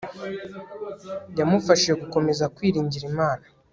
yamufashije gukomeza kwiringira imana